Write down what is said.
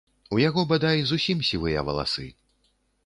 У яго, бадай, зусім сівыя валасы.